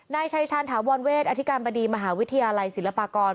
นายชัยชาญถาวรเวทอธิการบดีมหาวิทยาลัยศิลปากร